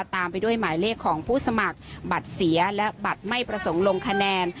ตามไปด้วยหมายเลขของผู้สมัครบัตรเสียและบัตรไม่ประสงค์ลงคะแนน